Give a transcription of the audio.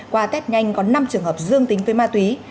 qua test nhanh có năm trường hợp dương tính với ma túy